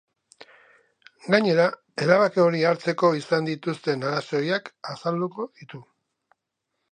Gainera, erabaki hori hartzeko izan dituzten arrazoiak azalduko ditu.